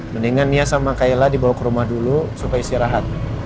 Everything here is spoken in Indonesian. mendingan nia sama kaila dibawa ke rumah dulu supaya istirahat